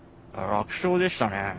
楽勝でしたね。